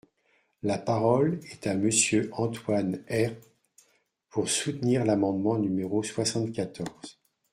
La parole est à Monsieur Antoine Herth, pour soutenir l’amendement numéro soixante-quatorze.